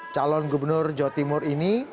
calon gubernur jawa timur ini